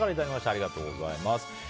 ありがとうございます。